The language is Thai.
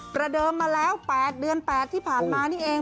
ประเดิมมาแล้ว๘เดือน๘ที่ผ่านมานี่เอง